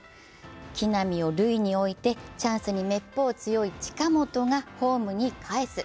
木浪を塁に置いて、チャンスにめっぽう強い近本がホームに返す。